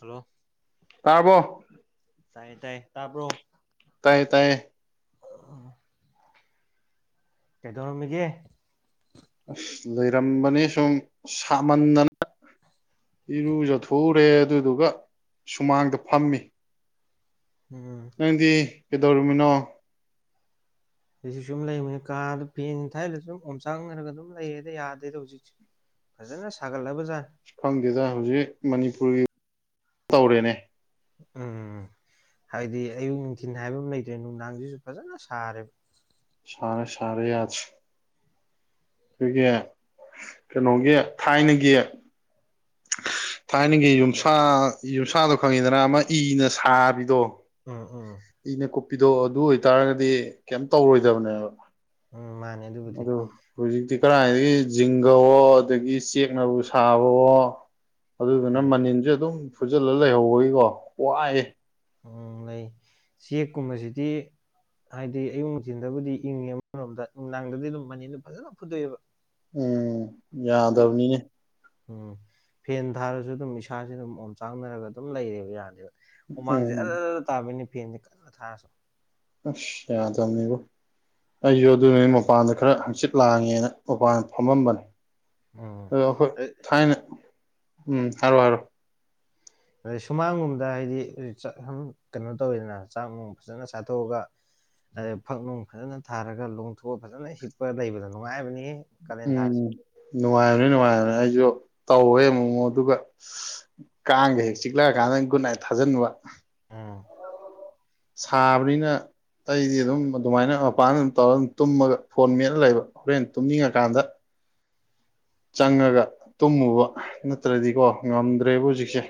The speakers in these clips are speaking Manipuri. ꯍꯜꯂꯣ ꯇꯥꯔꯕꯣ ꯇꯥꯏꯌꯦ ꯇꯥꯏꯌꯦ ꯇꯥꯕ꯭ꯔꯣ ꯇꯌꯦ ꯇꯌꯦ ꯀꯩꯗꯧꯔꯃꯤꯒꯦ ꯑꯁ ꯂꯩꯔꯝꯕꯅꯤ ꯁꯨꯝ ꯁꯥꯃꯟꯗꯅ ꯏꯔꯨꯖꯊꯣꯛꯎꯔꯦ ꯑꯗꯨꯗꯨꯒ ꯁꯨꯃꯥꯡꯗ ꯐꯝꯃꯤ ꯎꯝ ꯅꯗꯤ ꯇꯧꯔꯃꯤꯅꯣ ꯑꯩꯁꯨ ꯁꯨꯝ ꯂꯩꯕꯅꯤ ꯀꯥꯗ ꯐꯦꯟ ꯊꯥꯏꯗ ꯑꯗꯨꯨꯝ ꯑꯣꯝꯆꯥꯡꯈꯔꯒ ꯑꯗꯨꯝ ꯂꯩꯔꯦꯗ ꯌꯥꯗꯦꯗ ꯍꯧꯖꯤꯛ ꯐꯖꯅ ꯁꯥꯒꯠꯂꯕꯖꯥꯔ ꯈꯪꯗꯦꯗ ꯍꯧꯖꯤꯛ ꯃꯅꯤꯄꯨꯔꯒꯤ ꯇꯧꯔꯦꯅꯦ ꯎꯝ ꯍꯥꯏꯕꯗꯤ ꯑꯌꯨꯛ ꯅꯨꯡꯊꯤꯟ ꯍꯥꯏꯕ ꯑꯃ ꯂꯩꯇ꯭ꯔꯦ ꯅꯨꯡꯗꯥꯡꯁꯤꯁꯨ ꯐꯖꯅ ꯁꯥꯔꯦꯕ ꯁꯥꯔꯦ ꯁꯥꯔꯦ ꯑꯁ ꯑꯩꯈꯣꯏꯒꯤ ꯀꯩꯅꯣꯒꯤ ꯊꯥꯏꯅꯒꯤ ꯊꯥꯏꯅꯒꯤ ꯌꯨꯝꯁꯥ ꯌꯨꯝꯁꯥꯗꯣ ꯈꯪꯉꯤꯗꯅ ꯑꯃ ꯏꯅ ꯁꯥꯕꯤꯗꯣ ꯎꯝ ꯎꯝ ꯏꯅ ꯀꯣꯄꯤ ꯗꯣ ꯑꯗꯨ ꯑꯣꯏꯇꯥꯔꯒꯗꯤ ꯀꯩ ꯇꯧꯔꯣꯏꯗꯕꯅꯦꯕ ꯎꯝ ꯃꯥꯅꯦ ꯑꯗꯨꯕꯨꯗꯤ ꯑꯗꯣ ꯍꯧꯏꯖꯤꯗꯤ ꯀꯗꯥꯥꯏꯏꯗꯒꯤ ꯖꯤꯡꯒꯋꯣ ꯑꯗꯨꯗꯒꯤ ꯆꯦꯛꯅꯕꯨ ꯁꯥꯕꯣ ꯑꯗꯨꯗꯨꯅ ꯎꯝ ꯃꯅꯤꯟꯁꯦ ꯑꯗꯨꯝ ꯐꯨꯖꯤꯜꯂ ꯂꯩꯍꯧꯕꯒꯤꯀꯣ ꯋꯥꯑꯦ ꯎꯝ ꯂꯩ ꯆꯦꯛꯀꯨꯝꯕꯁꯤꯗꯤ ꯍꯥꯏꯗꯤ ꯑꯌꯨ ꯅꯨꯡꯊꯤꯟꯗꯕꯨꯗꯤ ꯏꯪꯉꯦꯔꯣꯝꯗ ꯅꯨꯡꯗꯥꯡꯗꯗꯤ ꯑꯗꯨꯝ ꯃꯅꯤꯗꯨꯝ ꯐꯖꯅ ꯐꯨꯗꯣꯛꯑꯦꯕ ꯎꯝ ꯑꯗꯨꯅ ꯌꯥꯗꯕꯅꯤꯅꯦ ꯎꯝ ꯐꯦꯟ ꯊꯥꯔꯁꯨ ꯑꯗꯨꯝ ꯏꯁꯥꯁꯤ ꯑꯗꯨꯝ ꯑꯣꯝ ꯆꯥꯡꯅꯔꯒ ꯑꯗꯨꯝ ꯂꯩꯔꯦꯕ ꯌꯥꯅꯦꯦꯕ ꯍꯨꯃꯥꯡꯁꯦ ꯎꯝ [unintelligible] ꯇꯥꯕꯤꯅꯤ ꯐꯦꯟꯁꯦ ꯀꯟꯅꯥ ꯊꯥꯔꯁꯨ ꯑꯁ ꯌꯥꯗꯕꯅꯤꯕꯣ ꯑꯩꯁꯨ ꯑꯗꯨꯅꯦ ꯃꯄꯥꯟꯗ ꯈꯔ ꯍꯪꯆꯤꯠ ꯂꯥꯡꯉꯦꯅ ꯃꯄꯥꯟꯗ ꯐꯝꯃꯝꯕꯅꯦ ꯎꯝ [unintelligible] ꯑꯈꯣꯏ ꯊꯥꯏꯅ ꯎꯝ ꯊꯔꯣ ꯍꯥꯏꯔꯣ ꯗꯩ ꯁꯨꯃꯥꯡꯒꯨꯝꯕꯗ ꯍꯥꯏꯗꯤꯥ ꯆꯠ ꯁꯨꯝ ꯀꯩꯅꯣ ꯇꯧꯋꯤꯗꯅ ꯆꯥꯛ ꯅꯨꯡ ꯐꯖꯅ ꯆꯥꯊꯣꯛꯑꯒ ꯑꯗꯩ ꯐꯛ ꯅꯨꯡ ꯐꯖꯅ ꯊꯥꯔꯒ ꯂꯣꯡꯊꯣꯛꯑ ꯐꯖꯅ ꯍꯤꯞꯄ ꯂꯩꯕꯗ ꯅꯨꯡꯉꯥꯏꯕꯅꯤ ꯀꯥꯂꯦꯟ ꯎꯝ ꯊꯥꯁꯦ ꯅꯨꯡꯉꯥꯏꯕꯅꯦ ꯅꯨꯡꯉꯥꯏꯕꯅꯦ ꯑꯩꯁꯨ ꯇꯧꯋꯦ ꯑꯃꯨ ꯃꯨꯛ ꯑꯗꯨꯒ ꯀꯥꯡꯒ ꯍꯦꯛ ꯆꯤꯛꯂꯛꯑꯀꯥꯟꯗ ꯒꯨꯠꯅꯥꯏꯠ ꯊꯥꯖꯟꯕ ꯎꯝ ꯁꯥꯕꯅꯤꯅ ꯑꯩꯗꯤ ꯑꯗꯨꯝ ꯑꯗꯨꯃꯥꯏꯅ ꯃꯄꯥꯟꯗ ꯑꯗꯨꯝ ꯇꯧꯔꯒ ꯑꯗꯨꯝ ꯇꯨꯝꯃꯒ ꯐꯣꯟ ꯃꯦꯠꯂ ꯂꯩꯕ ꯍꯣꯔꯦꯟ ꯇꯨꯝꯅꯤꯡꯉꯀꯥꯟꯗ ꯆꯪꯉꯒ ꯇꯨꯝꯃꯨꯕ ꯅꯠꯇ꯭ꯔꯗꯤꯀꯣ ꯉꯝꯗ꯭ꯔꯦꯕ ꯍꯧꯖꯤꯛ ꯄꯤꯁꯦ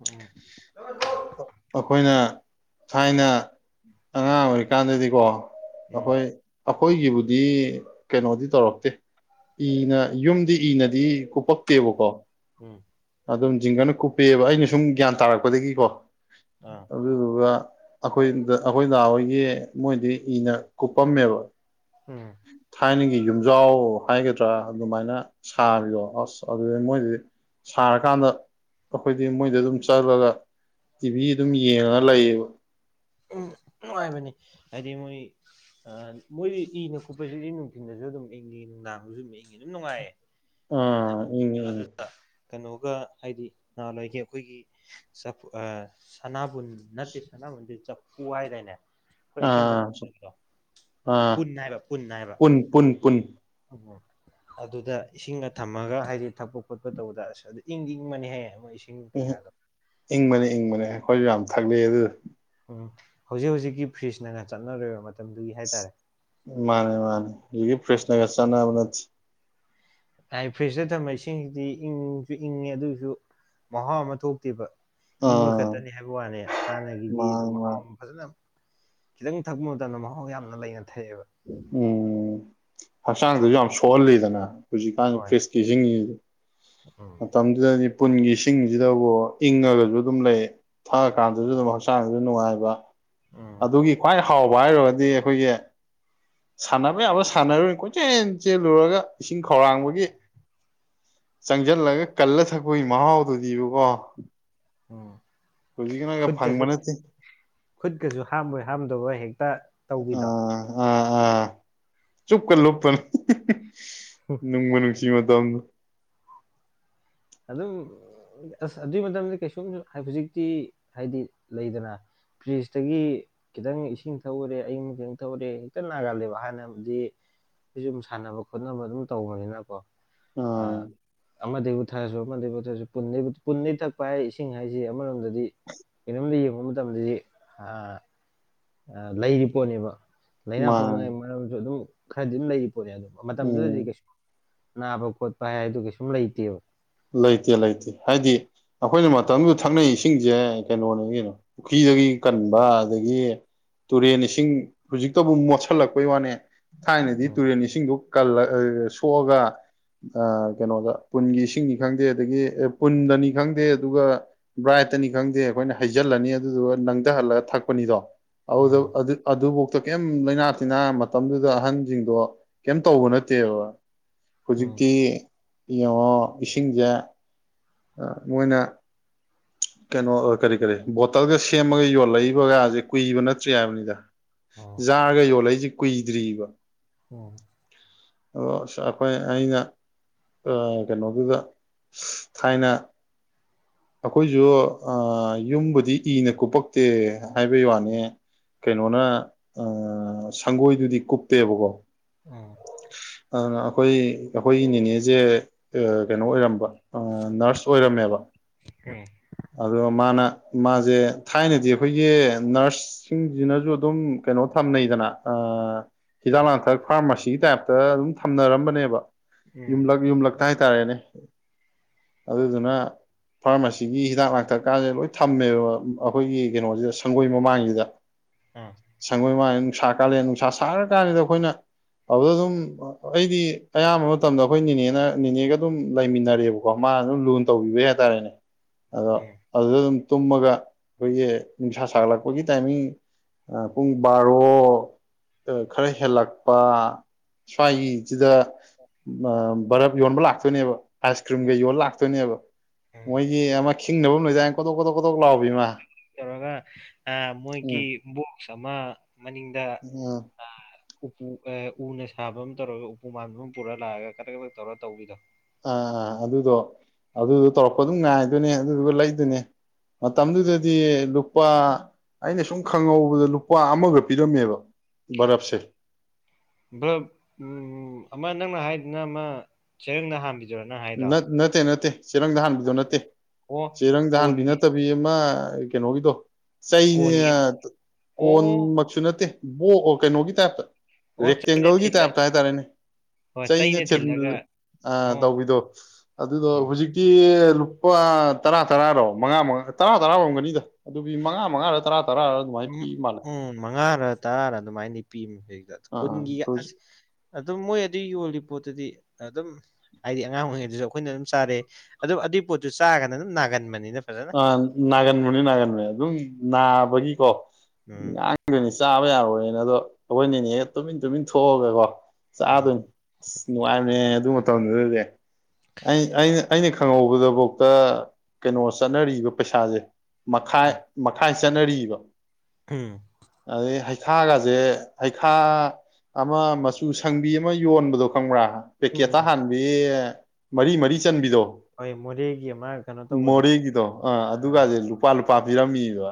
ꯎꯝ ꯑꯩꯈꯣꯏꯅ ꯊꯥꯏꯅ [inaudible] ꯀꯥꯟꯗꯗꯤꯀꯣ ꯎꯝ ꯑꯩꯈꯣꯏ ꯑꯩꯈꯣꯏꯒꯤꯕꯨꯗꯤ ꯀꯩꯅꯣꯗꯤ ꯇꯧꯔꯛꯇꯦ ꯏꯅ ꯌꯨꯝꯗꯤ ꯏꯅꯗꯤ ꯀꯨꯞꯄꯛꯇꯦꯕꯀꯣ ꯎꯝ ꯑꯗꯨꯝ ꯖꯤꯡꯒꯅ ꯀꯨꯞꯄꯦꯕ ꯑꯩꯅ ꯁꯨꯝ ꯒ꯭ꯌꯥꯟ ꯇꯥꯔꯛꯄꯗꯒꯤꯀꯣ ꯑꯥ ꯑꯗꯨꯗꯨꯒ ꯑꯩꯈꯣꯏꯗ ꯑꯩꯈꯣꯏ ꯗꯥ ꯍꯣꯏ ꯒꯤ ꯃꯣꯏꯗꯤ ꯏꯅ ꯀꯨꯞꯄꯝꯃꯦꯕ ꯎꯝ ꯊꯥꯏꯅꯒꯤ ꯌꯨꯝꯖꯥꯎ ꯍꯥꯏꯒꯗ꯭ꯔꯥ ꯑꯗꯨꯃꯥꯏꯅ ꯁꯥꯔꯤꯔꯣ ꯑꯁ ꯑꯗꯨꯗꯤ ꯃꯣꯏꯗꯨꯗꯤ ꯁꯥꯔꯀꯥꯟꯗ ꯑꯩꯈꯣꯏꯗꯤ ꯃꯣꯏꯗ ꯑꯗꯨꯝ ꯆꯠꯂꯒ ꯇꯤꯚꯤ ꯑꯗꯨꯝ ꯌꯦꯡꯉꯒ ꯂꯩꯌꯦꯕ ꯅꯨꯡꯉꯥꯏꯕꯅꯦ ꯍꯥꯏꯗꯤ ꯃꯣꯏ ꯑꯥ ꯃꯣꯏꯗꯤ ꯏꯅ ꯀꯨꯞꯄꯁꯤꯗꯤ ꯅꯨꯡꯊꯤꯟꯗꯁꯨ ꯑꯗꯨꯝ ꯏꯪꯉꯤ ꯅꯨꯡꯗꯥꯡꯕꯁꯨ ꯑꯗꯨꯝ ꯏꯪꯉꯤ ꯑꯗꯨꯝ ꯅꯨꯡꯉꯥꯏꯌꯦ ꯑꯥ ꯏꯪꯏ ꯏꯪꯏ ꯀꯅꯣꯒ ꯍꯥꯏꯗꯤ ꯅꯍꯥꯟꯋꯥꯏꯒꯤ ꯑꯩꯈꯣꯏꯒꯤ ꯆꯐꯨ ꯑꯥ ꯁꯅꯥꯕꯨꯟ ꯅꯠꯇꯦ ꯁꯅꯥꯕꯨꯟ ꯅꯠꯇꯦ ꯆꯞ ꯋꯥꯏꯗꯥꯏꯅꯦ ꯑ ꯑ ꯄꯨꯟ ꯍꯥꯏꯕ ꯄꯨꯟ ꯍꯥꯏꯕ ꯄꯨꯟ ꯄꯨꯟ ꯄꯨꯟ ꯎꯝ ꯑꯗꯨꯗ ꯏꯁꯤꯡꯒ ꯊꯝꯃꯒ ꯍꯥꯏꯗꯤ ꯊꯛꯄ ꯈꯣꯠꯄ ꯇꯧꯕꯗ ꯑꯁ ꯑꯗꯨ ꯏꯪꯗꯤ ꯏꯪꯕꯅꯦꯍꯦ ꯎꯝ ꯏꯪꯕꯅꯦ ꯏꯪꯕꯅꯦ ꯑꯩꯈꯣꯏꯁꯨ ꯌꯥꯝ ꯊꯛꯂꯛꯑꯦ ꯑꯗꯨꯗꯣ ꯎꯝ ꯍꯧꯖꯤꯛ ꯍꯧꯖꯤꯛꯀꯤ ꯐ꯭ꯔꯤꯖꯅꯒ ꯆꯠꯅꯔꯣꯏꯕ [unintelligible] ꯍꯥꯏꯇꯥꯔꯦ ꯃꯥꯅꯦ ꯃꯥꯅꯦ ꯍꯧꯖꯤꯛꯀꯤ ꯐꯔ꯭ꯤꯁ ꯅꯒ ꯆꯠꯅꯕ ꯅꯠꯇꯦ ꯍꯥꯏ ꯐ꯭ꯔꯦꯁꯇ ꯊꯝꯕ ꯏꯁꯤꯡꯁꯤꯗꯤ ꯏꯪꯁꯨ ꯏꯪꯉꯦ ꯑꯗꯨꯒꯤꯁꯨ ꯃꯍꯥꯎ ꯑꯃ ꯊꯣꯛꯇꯦꯕ ꯏꯪꯕ ꯑꯥ ꯈꯛꯇꯅꯦ ꯍꯥꯏꯕ ꯋꯥꯅꯦ ꯍꯥꯟꯅꯒꯤꯗꯤ ꯃꯥꯅꯦ ꯑꯗꯨꯝ ꯃꯍꯥꯎ ꯃꯥꯅꯦ ꯑꯃꯥ ꯐꯖꯅ ꯈꯤꯇꯪ ꯊꯛꯄ ꯃꯇꯝꯗ ꯃꯍꯥꯎ ꯌꯥꯝꯅ ꯂꯩꯅ ꯊꯛꯑꯦꯕ ꯎꯝ ꯐꯁꯅ ꯊꯁꯨꯝꯁꯨ ꯐꯣꯟ ꯂꯤꯗꯅ ꯍꯧꯖꯤꯛꯀꯥꯟ ꯍꯣꯏ ꯐꯦꯁꯀꯤ ꯍꯁꯤꯡꯉꯤꯁꯤꯗ ꯎꯝ ꯑ ꯇꯝꯗꯨꯗ ꯄꯨꯟꯒꯤ ꯏꯁꯤꯡꯁꯤꯗꯕꯨ ꯏꯪꯉꯒꯁꯨ ꯑꯗꯨꯝ ꯂꯩ ꯊꯛꯑꯀꯥꯟꯗꯁꯨ ꯑꯗꯨꯝ ꯍꯛꯆꯥꯡꯁꯨ ꯅꯨꯡꯉꯥꯏꯕ ꯎꯝ ꯑꯗꯨꯒꯤ ꯈ꯭ꯋꯥꯏ ꯍꯥꯎꯕ ꯍꯥꯏꯔꯒꯗꯤ ꯑꯩꯈꯣꯏꯒꯤ ꯁꯥꯟꯅꯕ ꯌꯥꯕ ꯁꯥꯟꯅꯔꯣꯏꯅꯤ ꯀꯣꯏꯆꯦꯟ ꯆꯦꯜꯂꯨꯔꯒ ꯏꯁꯤꯡ ꯈꯧꯔꯥꯡꯕꯒꯤ ꯆꯪꯁꯤꯜꯂꯒ ꯀꯜꯂ ꯊꯛꯄꯒꯤ ꯃꯍꯥꯎꯗꯨꯗꯤꯕꯀꯣ ꯎꯝ ꯍꯧꯖꯤꯛꯀꯤꯅꯒ ꯈꯨꯨꯠꯀꯁꯨ ꯐꯪꯕ ꯅꯠꯇꯦ ꯈꯨꯨꯠꯀꯁꯨ ꯍꯥꯝꯣꯏ ꯍꯥꯝ ꯑꯗꯨ ꯍ ꯇ ꯇꯧꯕꯤꯗ ꯑꯥ ꯑꯥ ꯑꯥ ꯆꯨꯞꯀ ꯂꯨꯞꯄꯅꯤ ꯅꯨꯡꯃ ꯅꯨꯡꯁꯤ ꯗꯪ ꯑꯗꯨꯝ ꯑꯁ ꯑꯗꯨꯒꯤ ꯃꯇꯝꯗꯤ ꯀꯩꯁꯨꯝ ꯍꯧꯖꯤꯛꯇꯤ ꯍꯥꯏꯗꯤ ꯂꯩꯗꯅ ꯐ꯭ꯔꯤꯖꯇꯒꯤ ꯈꯤꯇꯪ ꯏꯁꯤꯡ ꯊꯛꯎꯔꯦ ꯑꯌꯪꯕꯊꯇ ꯊꯧꯎꯔꯦ ꯍꯦꯛꯇ ꯅꯥꯒꯥꯜꯂꯦꯕ ꯍꯥꯟꯅꯗꯤ ꯑꯩ ꯁꯨꯝ ꯁꯥꯟꯅꯕ ꯈꯣꯠꯅꯕ ꯑꯗꯨꯝ ꯇꯧꯕꯅꯤꯅꯀꯣ ꯑ ꯑꯥ ꯑꯃꯗ ꯄꯊꯔꯁꯨ ꯑꯃꯗꯒꯤꯩ ꯄꯨꯊꯔꯁꯨꯟꯅ ꯄꯨꯟꯅꯩ ꯊꯛꯄ ꯍꯥꯏ ꯏꯁꯤꯡ ꯍꯥꯏꯁꯤ ꯑꯃꯔꯣꯝꯗꯗꯤ ꯀꯩꯅꯣꯝꯗ ꯌꯦꯡꯕ ꯃꯇꯝꯗꯗꯤ ꯑ ꯂꯩꯔꯤ ꯄꯣꯠꯅꯦꯕ ꯂꯥꯏꯅꯥ ꯃꯥ ꯄꯣꯛꯅꯤꯡꯉꯥꯏ ꯃꯔꯝꯁꯨ ꯑꯗꯨꯝ ꯈꯗꯤꯅ ꯂꯩ ꯅꯦ ꯑꯗꯨ ꯃꯇꯝꯗꯨꯗꯗꯤ ꯎꯝ ꯀꯩ ꯅꯕ ꯀꯣꯠ ꯄ ꯍꯥꯏ ꯇꯨ ꯀꯁꯨꯨꯝ ꯂꯩꯇ ꯂꯩꯇꯦ ꯂꯩꯇꯦ ꯍꯥꯏꯗꯤ ꯑꯩꯈꯣꯏꯅ ꯃꯇꯝꯗꯨꯗ ꯊꯛꯅꯩ ꯏꯁꯤꯡꯁꯦ ꯀꯩꯅꯣꯅꯤ ꯀꯩꯅꯣ ꯄꯨꯈ꯭ꯔꯤꯗꯒꯤ ꯀꯟꯕ ꯑꯗꯒꯤ ꯇꯨꯔꯦꯟ ꯏꯁꯤꯡ ꯍꯧꯖꯤꯛꯇꯕꯨ ꯃꯣꯠꯁꯤꯜꯂꯛꯄꯩ ꯋꯥꯅꯦ ꯊꯥꯏꯅꯗꯤ ꯎꯝ ꯇꯨꯔꯦꯟ ꯏꯁꯤꯡꯗ ꯀꯜꯂ ꯁꯣꯛꯑꯒ ꯀꯩꯅꯣꯗ ꯄꯨꯟꯒꯤ ꯏꯁꯤꯡꯒꯤ ꯈꯪꯗꯦ ꯑꯗꯒꯤ ꯑꯦ ꯄꯨꯟꯗꯅꯤ ꯈꯪꯗꯦ ꯑꯗꯨꯒ ꯕ꯭ꯔꯥꯏꯠꯇꯅꯤ ꯈꯪꯗꯦ ꯑꯩꯈꯣꯏꯅ ꯍꯩꯖꯤꯜꯂꯅꯤ ꯑꯗꯨꯗꯨꯒ ꯅꯪꯊꯍꯜꯂꯒ ꯊꯛꯄꯅꯤꯗꯣ ꯍꯥꯎꯗ ꯎꯝ ꯑꯗꯨ ꯑꯗꯨ ꯀꯩꯝ ꯂꯩꯥꯏꯅꯥ ꯇꯤꯟꯅꯥ ꯃꯇꯝꯗꯨꯗ ꯑꯍꯟꯖꯤꯡꯗꯣ ꯀꯩꯝ ꯇꯧꯕ ꯅꯠꯇꯦꯕ ꯎꯝ ꯍꯧꯖꯤꯛꯇꯤ ꯏꯉꯥ ꯏꯁꯤꯡꯖ ꯑꯥ ꯃꯣꯏꯅ ꯀꯩꯅꯣ ꯀꯔꯤ ꯀꯔꯤ ꯕꯣꯇꯜꯒ ꯁꯦꯝꯃꯒ ꯌꯣꯜꯂꯛꯏꯕꯒꯁꯦ ꯀꯨꯏꯕ ꯅꯠꯇ꯭ꯔꯤ ꯍꯥꯏꯕꯅꯤꯗ ꯎꯝ ꯖꯥꯔꯒ ꯌꯣꯜꯂꯩꯖꯤ ꯀꯏ ꯔꯤꯕ ꯎꯝ ꯑꯗꯣ ꯑꯩꯈꯣꯏ ꯑꯩꯅ ꯀꯩꯅꯣꯗꯨꯗ ꯊꯥꯏꯅ ꯑꯩꯈꯣꯏꯁꯨ ꯌꯨꯝꯕꯨꯗꯤ ꯏꯅ ꯀꯨꯞꯄꯛꯇꯦ ꯍꯥꯏꯕꯩ ꯋꯥꯅꯤ ꯀꯩꯅꯣꯅ ꯁꯪꯒꯣꯏꯗꯨꯗꯤ ꯀꯨꯞꯇꯦꯕꯀꯣ ꯎꯝ ꯑ ꯑꯩꯈꯣꯏ ꯑꯩꯈꯣꯏꯒꯤ ꯅꯦꯅꯦꯁꯦ ꯀꯩꯅꯣ ꯑꯣꯏꯔꯝꯕ ꯅꯔꯁ ꯑꯣꯏꯔꯝꯃꯦꯕ ꯎꯝ ꯑꯗ ꯃꯥꯅ ꯃꯥꯁꯦ ꯊꯥꯏꯅꯗꯤ ꯑꯩꯈꯣꯏꯒꯤ ꯅꯔꯁꯁꯤꯡꯁꯤꯅꯁꯨ ꯑꯗꯨꯝ ꯀꯩꯅꯣ ꯊꯝꯅꯩꯗꯅ ꯍꯤꯗꯥꯛ ꯂꯥꯡꯊꯛ ꯐꯥꯔꯃꯥꯁꯤꯒꯤ ꯇꯥꯏꯞꯇ ꯑꯗꯨꯝ ꯊꯝꯅꯔꯝꯕꯅꯦꯕ ꯎꯝ ꯌꯨꯝꯂꯛ ꯌꯨꯝꯂꯛ ꯥꯏꯇꯥꯔꯦꯅꯦ ꯑꯗꯨꯗꯨꯅ ꯐꯥꯔꯃꯥꯁꯤꯒꯤ ꯍꯤꯗꯥꯛ ꯂꯥꯡꯊꯛ ꯀꯥꯟꯁꯦ ꯂꯣꯏ ꯊꯝꯃꯦꯕ ꯑꯩꯈꯣꯏꯒꯤ ꯀꯩꯅꯣꯁꯤꯗ ꯁꯪꯒꯣꯏ ꯃꯃꯥꯡꯁꯤꯗ ꯁꯣꯏ ꯃꯥ ꯅꯨꯡꯁꯥ ꯀꯥꯜꯂꯦ ꯅꯨꯡꯁꯥ ꯁꯥꯔ ꯀꯥꯟꯁꯤꯗ ꯑꯩꯈꯣꯏꯅ ꯑꯗꯨꯗ ꯑꯗꯨꯝ ꯑꯩꯗꯤ ꯑꯌꯥꯝꯕ ꯃꯇꯝꯗ ꯑꯩꯈꯣꯏ ꯅꯦꯅꯦꯅ ꯅꯦꯅꯦꯒ ꯑꯗꯨꯝ ꯂꯩꯃꯤꯟꯅꯔꯦꯕꯀꯣ ꯃꯥꯅ ꯑꯗꯨꯝ ꯂꯨ ꯇꯧꯕꯤꯕꯩ ꯍꯥꯏꯇꯥꯔꯦꯅꯦ ꯑꯗꯣ ꯎꯝ ꯎꯝ ꯑꯗꯨꯗ ꯇꯨꯝꯃꯒ ꯑꯩꯈꯣꯏꯒꯤ ꯅꯨꯡꯁꯥ ꯁꯥꯒꯠꯂꯛꯄꯒꯤ ꯇꯥꯏꯃꯤꯡ ꯄꯨꯡ ꯕꯥꯔꯣ ꯈꯔ ꯍꯦꯜꯂꯛꯄ ꯁ꯭ꯋꯥꯏꯒꯤ ꯁꯤꯗ ꯑ ꯕꯔꯞ ꯌꯣꯟꯕ ꯂꯥꯛꯇꯣꯏꯅꯦꯕ ꯑꯥꯏꯁ ꯀ꯭ꯔꯤꯝꯒꯩ ꯌꯣꯜ ꯂꯥꯛꯇꯣꯏꯅꯦꯕ ꯎꯝ ꯑꯃ ꯈꯤꯡꯪꯅꯕ ꯂꯝꯣꯏꯅ ꯈꯣ ꯀꯣꯛ ꯇꯧꯔꯒ ꯎꯝ ꯃꯣꯏꯒꯤ ꯕꯣꯛꯁ ꯑꯃ ꯃꯅꯤꯡꯗ ꯑꯥ ꯎꯄꯨ ꯎꯅ ꯁꯥꯕ ꯑꯃ ꯇꯧꯔꯒ ꯎꯄꯨ ꯃꯥꯟꯕ ꯑꯃ ꯄꯨꯔ ꯂꯥꯛꯑꯒ ꯀ ꯀ ꯇꯧꯔ ꯇꯧꯕꯤꯗꯣ ꯑꯥ ꯑꯥ ꯑꯗꯨꯗꯣ ꯑꯗꯨꯗꯣ ꯇꯧꯔꯛꯄ ꯑꯗꯨꯝ ꯉꯥꯏꯗꯣꯏꯅꯦ ꯑꯗꯨꯗꯨꯒ ꯂꯩꯗꯅꯦ ꯃꯇꯝꯗꯨꯗꯗꯤ ꯂꯨꯄꯥ ꯑꯩꯅ ꯁꯨꯝ ꯈꯪꯍꯧꯕꯗ ꯂꯨꯄꯥ ꯑꯃꯒ ꯄꯤꯔꯝꯃꯦꯕ ꯕꯔꯞꯁꯦ ꯎ ꯑꯃ ꯅꯪꯅ ꯍꯥꯏꯗꯅ ꯑꯃ ꯆꯔꯦꯡꯅ ꯍꯕꯤ ꯅ ꯅꯠꯇꯦ ꯅꯠꯇꯦ ꯆꯦꯔꯪꯗꯍꯥꯟꯕꯤꯗꯣ ꯅꯠꯇꯦ ꯑꯣ ꯆꯦꯔꯪꯗꯍꯥꯟꯕꯤ ꯀꯣꯟꯒꯤ ꯅꯠꯇꯕꯤ ꯑꯃ ꯑꯩ ꯀꯩꯅꯣꯒꯤꯗꯣ ꯆꯩꯅꯦ ꯀꯣꯟꯒꯤ ꯑꯃ ꯑꯣ ꯀꯣꯟꯃꯛꯁꯨ ꯅꯠꯇꯦ ꯀꯩꯅꯣꯒꯤ ꯇꯥꯏꯞꯇ ꯑꯣ ꯆꯩꯅ ꯔꯦꯛꯇꯦꯡꯒꯜꯒꯤ ꯊꯤꯜꯂ ꯇꯥꯏꯞꯇ ꯍꯥꯏꯇꯥꯔꯦꯅꯦ ꯍꯣꯏ ꯆꯩꯅ ꯊꯜ ꯊꯤꯜꯂꯒ ꯑꯣ ꯇꯧꯕꯤꯗꯣ ꯑꯗꯨꯗꯣ ꯎꯝ ꯍꯧꯖꯤꯛꯇꯤ ꯂꯨꯄꯥ ꯇꯔꯥ ꯇꯔꯥꯔꯣ ꯃꯉꯥ ꯃꯉꯥ ꯇꯔꯥ ꯇꯔꯥ ꯑꯣꯏꯝꯒꯅꯤꯗ ꯑꯗꯨꯒꯤ ꯃꯉꯥ ꯃꯉꯥꯔ ꯇꯔꯥ ꯇꯔꯥꯔ ꯑꯗꯨꯃꯥꯏꯅ ꯎꯝ ꯄꯤ ꯃꯥꯜꯂꯦ ꯎꯝ ꯃꯉꯥꯔ ꯇꯔꯥꯔ ꯑꯗꯨꯃꯥꯏꯗꯤ ꯄꯤ ꯈꯨꯜ ꯑꯥ ꯒꯤ ꯑꯁ ꯑꯗꯨꯝ ꯃꯣꯏ ꯑꯗꯨꯏ ꯌꯣꯜꯂꯤ ꯄꯣꯠꯇꯨꯗꯤ ꯑꯗꯨꯝ ꯍꯥꯏꯗꯤ ꯐꯖꯅ ꯑ ꯅꯒꯟꯕꯥꯅꯤ ꯅꯒꯟꯕꯥꯅꯤ ꯑꯗꯨꯝ ꯅꯥꯕꯒꯤꯀꯣ ꯎꯝ ꯂꯥꯡꯗꯅ ꯆꯕꯥꯌꯔꯣꯌꯦ ꯑꯗꯣ ꯑꯩꯈꯣꯏꯅꯤꯅꯦ ꯇꯨꯃꯤꯟ ꯇꯨꯃꯤꯟ ꯊꯣꯛꯑꯒ ꯀꯣ ꯎꯝ ꯆꯥꯗꯣꯏꯅꯤ ꯑꯁ ꯅꯨꯡꯉꯥꯏꯕꯅꯦ ꯑꯗꯨ ꯝꯠ ꯃꯇꯝꯗꯨꯗꯤ ꯑꯩꯅ ꯑꯩꯅ ꯈꯡꯍꯧꯕꯗꯐꯥꯎꯇ ꯀꯩꯅꯣ ꯆꯠꯅꯔꯤꯕ ꯄꯩꯁꯥꯁꯦ ꯃꯈꯥꯏ ꯎꯝ ꯃꯈꯥꯏ ꯆꯟꯅꯔꯤꯕ ꯎꯝ ꯑꯗ ꯍꯥꯏ ꯍꯩꯈꯥꯒꯁꯦ ꯍꯩꯈꯥ ꯑꯃ ꯃꯆꯨ ꯁꯡꯕꯤ ꯑꯃ ꯌꯣꯟꯕꯗꯣ ꯈꯡꯕ꯭ꯔꯥ ꯎꯝ ꯄꯦꯀꯦꯠꯇ ꯎꯝ ꯍꯥꯟꯕꯤ ꯃꯔꯤ ꯃꯔꯤ ꯆꯟꯕꯤꯗꯣ ꯍꯣꯏ ꯃꯣꯔꯦꯒꯤ ꯑꯃ ꯀꯩꯅꯣ ꯇꯧꯕꯗꯣ ꯃꯣꯔꯦꯒꯤ ꯑ ꯑꯗꯨꯒꯗꯤ ꯂꯨꯄꯥ ꯂꯨꯄꯥ ꯄꯤꯔꯝꯃꯤꯕ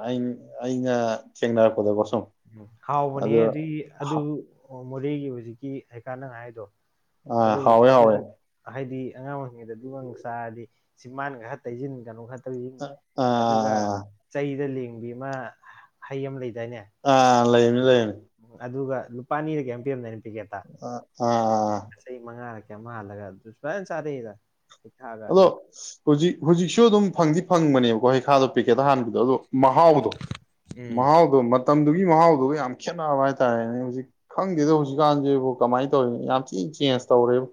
ꯑꯩꯅ ꯊꯦꯡꯅꯔꯛꯄꯗ ꯎ ꯍꯥꯎꯕꯅꯦ ꯑꯗꯨꯏ ꯑꯗꯨ ꯃꯣꯔꯦꯒꯤ ꯍꯧꯖꯤꯛꯀꯤ ꯍꯩꯈꯥ ꯅꯒ ꯍꯥꯏꯗꯣ ꯑꯥ ꯑꯗꯨ ꯍꯥꯎꯋꯦ ꯍꯥꯎꯋꯦ ꯑꯗꯨꯁꯨ ꯍꯥꯏꯗꯤ ꯑꯉꯥꯡ ꯑꯣꯏꯔꯤꯉꯩꯗ ꯑꯗꯨꯒꯒ ꯆꯥꯔꯗꯤ ꯆꯤꯟꯕꯥꯟ ꯈꯔ ꯇꯩꯁꯤꯟ ꯀꯩꯅꯣ ꯈꯔꯥ ꯑꯗꯨꯒ ꯑꯥ ꯆꯩꯗ ꯂꯦꯡ ꯕꯤ ꯑꯃ ꯍꯩ ꯑꯃ ꯂꯩꯗꯥꯏꯅꯦ ꯑꯥ ꯂꯩꯕꯥꯅꯤ ꯂꯩꯕꯥꯅꯤ ꯑꯗꯨꯒ ꯅꯦꯄꯥꯅꯤꯔꯥ ꯀꯩꯝ ꯄꯤꯔꯝꯗ [unintelligible] ꯑꯥ ꯑꯥ ꯌꯥꯃꯜꯒꯥ ꯑꯗꯨ ꯐꯖꯅꯥ ꯆꯥꯗꯩꯩꯗ ꯑꯗꯣ ꯍꯧꯖꯤꯛ ꯍꯧꯖꯤꯛꯁꯨ ꯑꯗꯨꯝ ꯐꯡꯗꯤ ꯐꯡꯕꯅꯦꯕꯀꯣ ꯍꯩꯈꯥꯗꯣ ꯄꯦꯛꯀꯦꯠ ꯍꯍꯥꯟꯕꯗꯨ ꯑꯗꯨ ꯃꯍꯥꯎꯗꯣ ꯎꯝ ꯃꯍꯥꯎꯗꯣ ꯃꯇꯝꯗꯨꯒꯤ ꯃꯍꯥꯎꯗꯨꯒ ꯌꯥꯝ ꯈꯦꯠꯅꯕ ꯍꯥꯏꯇꯥꯔꯦꯅꯦ ꯍꯧꯖꯤꯛ ꯈꯡꯗꯦꯗ ꯍꯧꯖꯤꯛꯀꯥꯟꯁꯤꯦꯕꯨ ꯀꯃꯥꯏꯅ ꯇꯧꯔꯤ ꯌꯥꯝ ꯊꯤꯅ ꯆꯦꯟꯖ ꯇꯧꯔꯦꯕ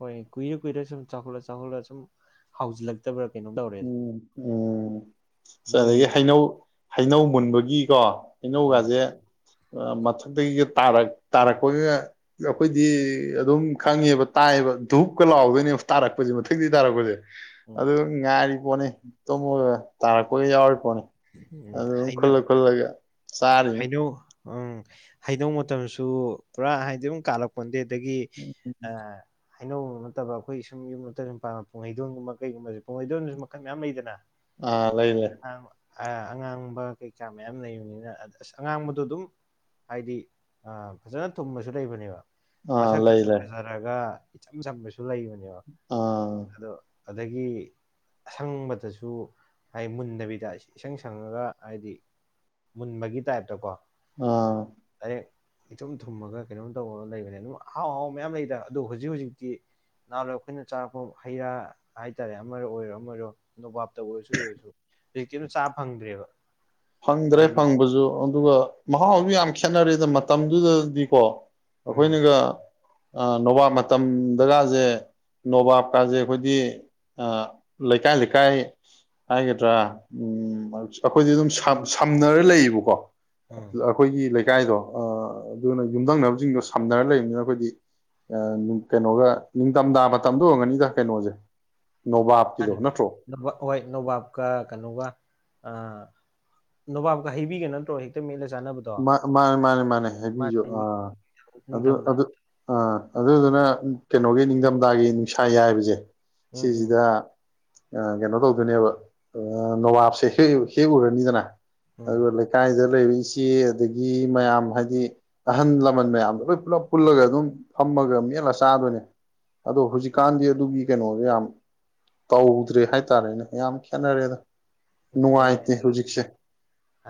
ꯍꯣꯏ ꯀꯨꯏꯔꯦ ꯀꯨꯏꯔꯦ ꯁꯨꯝ ꯆꯥꯎꯈꯠꯂ ꯆꯥꯎꯈꯠꯂꯒ ꯁꯨꯝ ꯍꯥꯎꯁꯤꯜꯂꯛꯇꯕ꯭ꯔꯥ ꯎꯝ ꯎꯝ ꯃꯣꯏ ꯑꯗꯒꯤ ꯍꯩꯅꯧ ꯍꯩꯅꯧ ꯃꯨꯟꯕꯒꯤ ꯒꯤꯀꯣ ꯎꯝ ꯍꯩꯅꯧꯒꯁꯦ ꯃꯊꯛꯇꯒꯤꯒ ꯇꯥꯔꯛꯄꯒ ꯑꯩꯈꯣꯏꯗꯤ ꯑꯗꯨꯝ ꯈꯪꯉꯦꯕ ꯇꯥꯏꯑꯕ ꯙꯨꯨꯞꯀ ꯂꯥꯎꯗꯣꯏꯅꯦꯕ ꯇꯥꯔꯛꯄꯁꯦ ꯃꯊꯪꯛꯇ ꯇꯥꯔꯛꯄꯁꯦ ꯎꯝ ꯑꯗꯨꯗ ꯉꯥꯏꯔꯤꯄꯣꯠꯅꯤ ꯇꯨꯝꯃꯒ ꯇꯥꯔꯛꯄꯒ ꯌꯥꯎꯔꯤꯄꯣꯠꯅꯤ ꯎꯝ ꯑꯗꯨꯝ ꯍꯩꯅꯧ ꯈꯨꯜꯂ ꯈꯨꯜꯂꯒ ꯆꯥꯔꯤꯅꯤ ꯍꯩꯅꯧ ꯎꯝ ꯍꯩꯗꯧ ꯃꯇꯝꯁꯨ ꯄꯨꯔꯥ ꯍꯥꯏꯗꯤ ꯑꯗꯨꯝ ꯀꯥꯜꯂꯛꯄꯗꯦ ꯑꯗꯒꯤ ꯑ ꯍꯥꯏꯅꯧꯕꯖꯤ ꯅꯠꯇꯕ ꯑꯩꯈꯣꯏ ꯁꯨꯝ ꯌꯨꯝ ꯃꯔꯛꯇ ꯄꯥꯟꯕ ꯄꯨꯡꯍꯩꯗꯣꯟꯒꯨꯝꯕ ꯀꯩꯒꯨꯝꯕꯁꯦ ꯄꯨꯡꯍꯩꯗꯣꯟꯁꯨ ꯃꯈꯜ ꯃꯌꯥꯝ ꯂꯩꯗꯅ ꯑꯥ ꯂꯩ ꯂꯩ ꯑ ꯑꯉꯥꯡꯕ ꯀꯩꯀꯥ ꯃꯌꯥꯝ ꯂꯩꯕꯅꯤꯅ ꯑꯁ ꯑꯉꯥꯡꯕꯗꯣ ꯑꯗꯨꯝ ꯍꯥꯏꯗꯤ ꯐꯖꯅ ꯊꯨꯝꯕꯁꯨ ꯂꯩꯕꯅꯦꯕ ꯑꯥ ꯃꯁꯛ ꯂꯩ ꯈꯛꯇ ꯂꯩ ꯐꯖꯔꯒ ꯏꯆꯝ ꯆꯝꯕꯁꯨ ꯂꯩꯕꯅꯦꯕ ꯑꯥ ꯑꯗꯣ ꯑꯗꯒꯤ ꯑꯁꯪꯕꯗꯁꯨ ꯍꯥꯏ ꯃꯨꯟꯗꯕꯤꯗꯁꯤ ꯏꯁꯪ ꯁꯪꯉꯒ ꯍꯥꯏꯗꯤ ꯃꯨꯟꯕꯒꯤ ꯇꯥꯏꯞꯇꯀꯣ ꯑꯥ ꯗꯥꯏꯔꯦꯛ ꯏꯊꯨꯝ ꯊꯨꯝꯃꯒ ꯀꯩꯅꯣꯝ ꯇꯧꯕꯔꯒ ꯂꯩꯕꯅꯦ ꯑꯗꯨꯝ ꯑꯍꯥꯎ ꯑꯍꯥꯎꯕ ꯃꯌꯥꯝ ꯂꯩꯗ ꯑꯗꯣ ꯍꯧꯖꯤꯛ ꯍꯧꯖꯤꯛꯇꯤ ꯅꯍꯥꯟꯋꯥꯏ ꯑꯩꯈꯣꯏꯅ ꯆꯥꯔꯛꯄ ꯍꯩꯔꯥ ꯍꯥꯏꯇꯥꯔꯦ ꯑꯃꯔꯣ ꯑꯣꯏꯔꯣ ꯑꯃ ꯑꯣꯏꯔꯣ ꯅꯣꯕꯥꯞꯇ ꯑꯣꯏꯔꯁꯨ ꯀꯩ ꯑꯣꯏꯔꯁꯨ ꯍꯧꯖꯤ ꯆꯥ ꯐꯪꯗ꯭ꯔꯦꯕ ꯐꯪꯗ꯭ꯔꯦ ꯍꯥꯏꯗꯤ ꯐꯪꯕꯁꯨ ꯑꯗꯨꯒ ꯃꯍꯥꯎ ꯑꯝꯌꯥꯛ ꯁꯥꯟꯅꯔꯦꯗ ꯃꯇꯝꯗꯨꯗꯗꯤꯀꯣ ꯎꯝ ꯑꯈꯣꯏꯅꯒ ꯅꯣꯕꯥꯞ ꯃꯇꯝꯗꯀꯥꯁꯦ ꯅꯣꯕꯥꯞꯀꯥꯁꯦ ꯈꯣꯏꯗꯤ ꯑꯥ ꯂꯩꯀꯥꯏ ꯂꯩꯀꯥꯏ ꯍꯥꯏꯒꯗ꯭ꯔꯥ ꯑꯩꯈꯣꯏꯗꯤ ꯑꯗꯨꯝ ꯁꯝ ꯁꯝꯅꯔ ꯂꯩꯌꯦꯕꯀꯣ ꯎꯝ ꯑꯈꯣꯏꯒꯤ ꯂꯩ ꯂꯩꯀꯥꯏꯗꯣ ꯑꯗꯨꯅ ꯌꯨꯝꯊꯪꯅꯕꯁꯤꯡꯗꯣ ꯁꯝꯅꯔ ꯂꯩꯕꯅꯤꯅ ꯑꯩꯈꯣꯏꯗꯤ ꯑꯥ ꯀꯩꯅꯣꯒ ꯅꯤꯡꯊꯝꯊꯥꯕ ꯇꯝꯗ ꯑꯣꯏꯔꯒꯅꯤꯗ ꯀꯩꯅꯣꯁꯦ ꯅꯣꯕꯥꯞꯀꯤꯗꯣ ꯅꯠꯇ꯭ꯔꯣ ꯅ ꯍꯣꯏ ꯅꯕꯥꯞ ꯀ ꯀꯅꯣꯒ ꯑ ꯅꯣꯕꯥꯕ ꯀ ꯍꯩꯕꯤꯒꯦ ꯅꯠꯇ꯭ꯔꯣ ꯍꯛꯇ ꯃꯦꯠꯂ ꯆꯥꯅꯕꯗꯣ ꯃꯥꯅꯦ ꯃꯥꯅꯦ ꯃꯥꯅꯦ ꯃꯥ ꯍꯥꯏꯕꯤꯌꯨ ꯑꯥ ꯑꯗꯨ ꯅꯤꯡꯊꯝꯊ ꯑꯗꯨ ꯑꯥ ꯑꯗꯨꯗꯨꯅ ꯀꯩꯅꯣꯒꯤ ꯅꯤꯡꯊꯝꯊꯥꯒꯤ ꯅꯨꯡꯁꯥ ꯌꯥꯏꯕꯁꯦ ꯎꯝ ꯎꯝ ꯁꯤꯁꯤꯗ ꯀꯩꯅꯣ ꯇꯧꯗꯣꯏꯅꯦꯕ ꯅꯋꯥꯞꯁꯦ ꯍꯦꯛ ꯍꯦꯛ ꯎꯔꯅꯤꯗꯅ ꯎꯝ ꯑꯗꯨ ꯂꯩꯀꯥꯏꯗ ꯄ‌ꯦꯔꯤꯁ ꯆꯦ ꯑꯗꯒꯤ ꯃꯌꯥꯝ ꯍꯥꯏꯗꯤ ꯑꯍꯜ ꯂꯃꯟ ꯃꯌꯥꯝꯗꯣ ꯑꯦ ꯑꯗꯒꯤ ꯃꯌꯥꯝ ꯍꯥꯏꯗꯤ ꯂꯣꯏ ꯄꯨꯜꯂꯞ ꯄꯨꯜꯂꯒ ꯑꯗꯨꯝ ꯐꯝꯃꯒ ꯃꯦꯠꯂ ꯆꯥꯗꯣꯏꯅꯦ ꯑꯗꯣ ꯍꯧꯖꯤꯛꯀꯥꯟꯗꯤ ꯑꯗꯨꯒꯤ ꯀꯩꯅꯣꯗꯣ ꯌꯥꯝ ꯇꯧꯗ꯭ꯔꯦ ꯍꯥꯏꯇꯥꯔꯦꯅꯦ ꯌꯥꯝ ꯈꯦꯠꯅꯔꯦꯗ ꯀꯩꯅꯣ ꯅꯨꯡꯉꯥꯏꯇꯦ ꯑꯗꯒꯤ ꯍꯧꯖꯤꯛꯁꯦ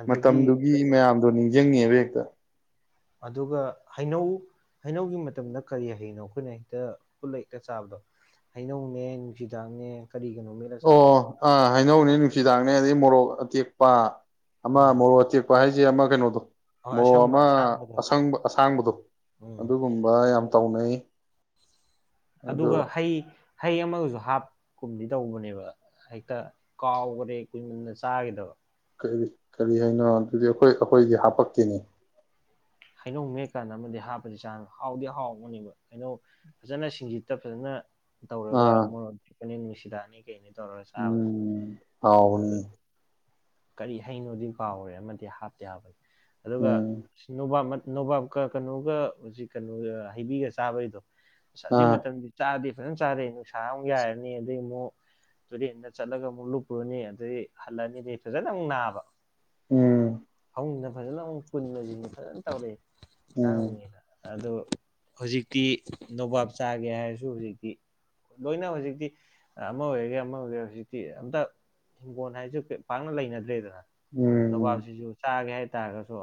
ꯑꯗꯒꯤ ꯃꯇꯝꯗꯨꯒꯤ ꯀꯩꯅꯣ ꯃꯌꯥꯝ ꯌꯦꯡꯉꯤꯦꯕ꯭ꯔꯛꯇ ꯑꯗꯨꯒ ꯍꯩꯅꯧ ꯍꯩꯅꯧꯒꯤ ꯃꯇꯝꯗ ꯀꯔꯤ ꯍꯩꯅꯣ ꯑꯩꯈꯣꯏꯅ ꯍꯦꯛꯇ ꯄꯨꯜꯂ ꯍꯦꯛꯇ ꯆꯥꯕꯗꯣ ꯍꯩꯅꯧꯅꯦ ꯅꯨꯡꯁꯤꯗꯥꯡꯅꯦ ꯀꯔꯤꯒꯥꯅꯣ ꯃꯦꯠꯂ ꯆꯥꯕꯗꯣ ꯑꯣ ꯑꯥ ꯍꯩꯅꯧꯅꯦ ꯅꯨꯡꯁꯤꯗꯥꯛꯅꯦ ꯑꯗꯩ ꯃꯣꯔꯣꯛ ꯑꯇꯦꯛꯄ ꯑꯃ ꯎꯝ ꯃꯣꯔ‌ꯣꯇ‌ꯦꯄ ꯍꯥꯏ ꯑ ꯑꯃ ꯀꯩꯅꯣꯗꯣ ꯍꯣꯏ ꯃꯣꯔꯣꯛ ꯑꯃ ꯑꯁꯪꯕ ꯑꯁꯥꯡꯕꯗꯣ ꯑꯁꯪꯕ ꯑꯁꯥꯡꯕꯗꯣ ꯎꯝ ꯑꯗꯨꯒꯨꯝꯕ ꯌꯥꯝ ꯇꯧꯅꯩ ꯑꯗꯣ ꯑꯗꯨꯒ ꯍꯩ ꯍꯩ ꯑꯃꯒꯁꯨ ꯍꯥꯞ ꯀꯨꯝꯗꯤ ꯇꯧꯕꯅꯦꯕ ꯍꯦꯛꯇ ꯀꯥꯎꯈꯔꯦ ꯀꯨꯏꯃꯟꯅ ꯆꯥꯒꯤꯗꯕ ꯀꯔꯤ ꯀꯔꯤ ꯍꯥꯏꯅꯣ ꯑꯗꯨꯗꯤ ꯑꯩꯈꯣꯏ ꯑꯩꯈꯣꯏꯗꯤ ꯍꯥꯄꯛꯇ‌ꯦꯅ‌ꯦ ꯍꯩꯅꯧ ꯃꯦꯛꯀꯥꯟꯗ ꯑꯃꯗꯤ ꯍꯥꯞꯄꯗꯤ ꯆꯥꯅꯕ ꯍꯥꯎꯗꯤ ꯍꯥꯎꯕꯅꯦꯕ ꯍꯩꯅꯧ ꯐꯖꯅ ꯁꯤꯡꯖꯤꯠꯇ ꯐꯖꯅ ꯇꯧꯔꯒ ꯑꯥ ꯃꯣꯔꯠ [unintelligible] ꯅꯤꯁꯤꯗꯥꯛꯅꯤ ꯀꯩꯅ‌ꯦ ꯎꯝ ꯍꯥꯎꯕꯅꯤ ꯀꯔꯤ ꯍꯩꯅꯣꯗꯤ ꯀꯥꯎꯔꯦ ꯑꯃꯗꯤ ꯍꯥꯞꯇꯤ ꯍꯥꯞꯄꯅꯤ ꯑꯗꯨꯒ ꯎꯝ ꯅꯨꯣꯕꯥꯞ ꯃꯁꯤꯟ ꯅꯣꯕꯥꯞꯀ ꯀꯩꯅꯣꯒ ꯍꯧꯖꯤꯛ ꯀꯩꯅꯣ ꯍꯩꯕꯤꯒ ꯆꯥꯕꯩꯗꯣ ꯑꯗꯨꯏ ꯑꯥ ꯃꯇꯝꯗꯤ ꯆꯥꯗ‌ꯦ ꯐꯖꯅ ꯆꯥꯔ‌ꯦ ꯅꯨꯡꯁꯥ ꯑꯃꯨꯛ ꯌꯥꯏꯔꯅꯤ ꯑꯗꯨꯩ ꯑꯃꯨꯛ ꯇꯨꯔꯦꯟꯗ ꯆꯠꯂꯒ ꯑꯃꯨꯛ ꯂꯨꯞꯄꯨꯔꯅꯤ ꯑꯗꯩ ꯍꯜꯂꯛꯑꯅ ꯑꯗꯩ ꯐꯖꯅ ꯑꯃꯨꯛ ꯅꯥꯕ ꯎꯝ ꯐꯖꯅ ꯑꯃꯨꯛ ꯀꯨꯟꯁꯤꯅ ꯐꯖꯅ ꯇꯧꯔꯛꯏꯦ ꯎꯝ [unintelligible] ꯑꯗꯨ ꯍꯧꯖꯤꯛꯇꯤ ꯅꯧꯕꯥꯞ ꯆꯥꯒ‌ꯦ ꯍꯥꯏꯔꯖꯨ ꯍꯧꯖꯤꯛꯇꯤ ꯂ‌ꯣꯏꯅ ꯍꯧꯖꯤꯛꯇꯤ ꯑꯃ ꯑ‌ꯣꯏꯒ‌ꯦꯔ ꯑꯃ ꯑꯣꯏꯒ‌ꯦꯔ ꯍꯧꯖꯤꯛꯇꯤ ꯑꯝꯇ ꯍꯤꯡꯒ‌ꯣꯟ ꯍꯥꯏꯖꯨ ꯀ‌ꯦꯝ ꯄꯥꯛꯅ ꯂꯩꯅꯗ꯭ꯔꯦꯗꯅ ꯎꯝ ꯅꯣꯕꯥꯞꯁꯤꯁꯨꯨ ꯆꯥꯒꯦ ꯍꯥꯏ ꯍꯥꯏ ꯇꯥꯔꯒꯁꯨ